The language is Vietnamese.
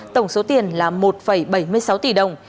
tổng số tiền là một bảy mươi sáu tỷ đồng